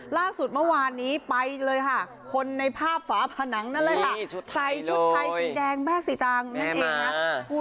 ล่าสุดเมื่อวานนี้ไปเลยค่ะคนในภาพฝาผนังนั่นแหละค่ะใส่ชุดไทยสีแดงแม่สีตางนั่นเองนะ